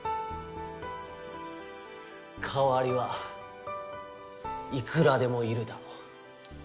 代わりはいくらでもいるだろ。